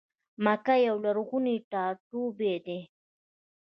مکه یو لرغونی ټا ټوبی دی.